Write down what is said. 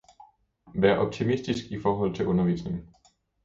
Vær optimistisk i forhold til undervisningen.